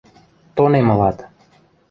– Тонем ылат.